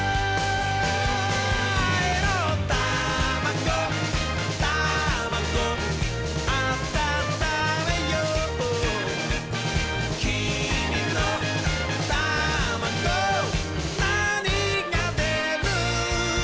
「あいのタマゴタマゴ」「あたためよう」「きみのタマゴなにがでる？」